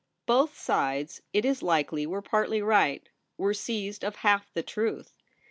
Both sides, it is likely, were partly right ; were seized of half the truth.